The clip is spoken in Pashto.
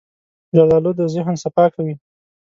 زردالو د ذهن صفا کوي.